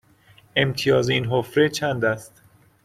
امتیاز این حفره چند است؟